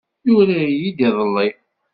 Yura-iyi-d iḍelli.